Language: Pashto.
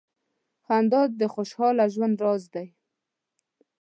• خندا د خوشال ژوند راز دی.